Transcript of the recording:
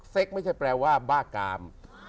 เซ็กซ์ไม่ใช่แปลว่าบ้ากราม